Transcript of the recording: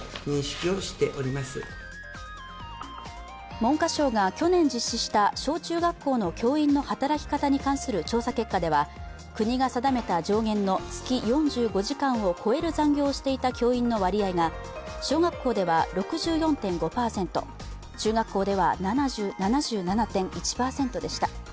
文科省が去年実施した小中学校の教員の働き方に関する調査結果では国が定めた上限の月４５時間を超える残業をしていた教員の割合が、小学校では６４．５％、中学校では７７．１％でした。